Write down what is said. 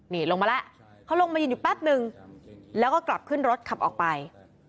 นี่ลงมาแล้วเขาลงมายืนอยู่แป๊บนึงแล้วก็กลับขึ้นรถขับออกไป